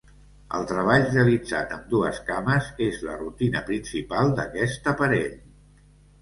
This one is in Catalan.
El treball realitzat amb dues cames és la rutina principal d'aquest aparell.